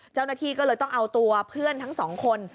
เจ้าหน้าที่ก็เลยต้องเอาตัวเพื่อนทั้งสองคน